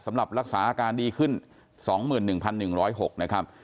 สำหรับรักษาอาการดีขึ้น๒๑๑๐๖นะครับ